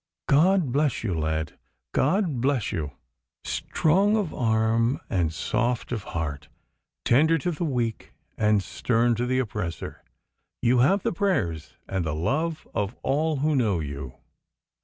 God bless you, lad, God bless you! Strong of arm and soft of heart, tender to the weak and stern to the oppressor, you have the prayers and the love of all who know you.